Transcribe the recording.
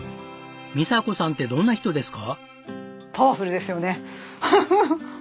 みさ子さんってどんな人ですか？